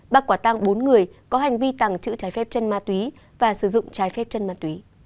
bắt quả tăng bốn người có hành vi tàng trữ trái phép chân ma túy và sử dụng trái phép chân ma túy